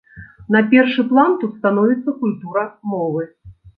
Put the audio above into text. На першы план тут становіцца культура мовы.